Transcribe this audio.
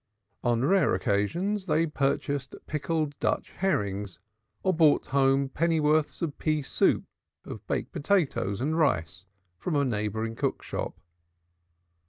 On rare occasions they purchased pickled Dutch herrings or brought home pennyworths of pea soup or of baked potatoes and rice from a neighboring cook shop.